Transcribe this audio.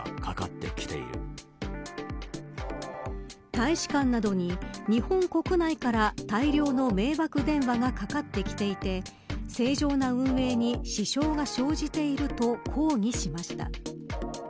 大使館などに日本国内から大量の迷惑電話がかかってきていて正常な運営に支障が生じていると抗議しました。